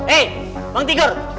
eh bang tigor